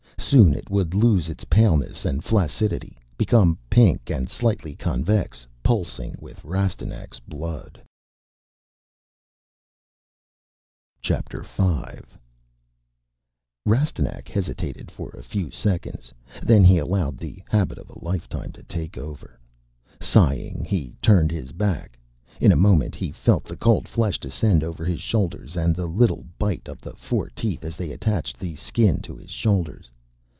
Soon it would lose its paleness and flaccidity, become pink and slightly convex, pulsing with Rastignac's blood. V Rastignac hesitated for a few seconds. Then he allowed the habit of a lifetime to take over. Sighing, he turned his back. In a moment he felt the cold flesh descend over his shoulders and the little bite of the four teeth as they attached the Skin to his shoulders.